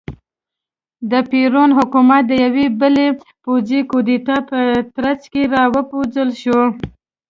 د پېرون حکومت د یوې بلې پوځي کودتا په ترڅ کې را وپرځول شو.